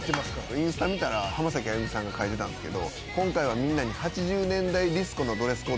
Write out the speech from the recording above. インスタ見たら浜崎あゆみさんが書いてたんですけど。